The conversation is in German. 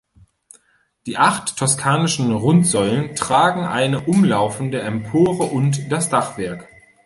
Die acht toskanischen Rundsäulen tragen eine umlaufende Empore und das Dachwerk.